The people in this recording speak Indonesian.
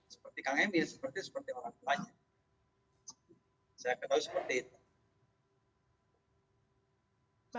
seperti kang emil seperti orang tuanya